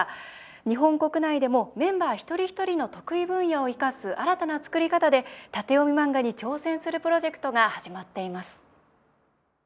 日本国内でもメンバー一人一人の得意分野を生かす新たな作り方で縦読み漫画に挑戦するプロジェクトが始まっています。